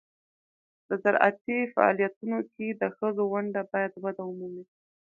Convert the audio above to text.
د زراعتي فعالیتونو کې د ښځو ونډه باید وده ومومي.